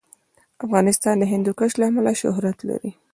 افغانستان د هندوکش له امله شهرت لري.